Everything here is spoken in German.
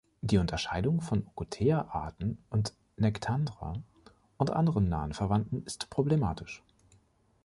Die Unterscheidung von „Ocotea“-Arten von „Nectandra“ und anderen nahen Verwandten ist problematisch.